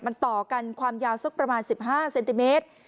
มันต่อกันความยาวประมาณสิบห้าเซนติเมตร